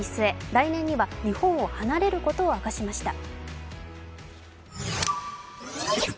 来年には日本を離れることを明かしました。